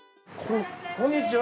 こんにちは。